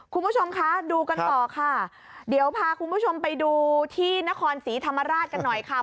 คุณผู้ชมคะดูกันต่อค่ะเดี๋ยวพาคุณผู้ชมไปดูที่นครศรีธรรมราชกันหน่อยค่ะ